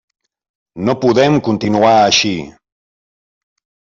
No podem continuar així.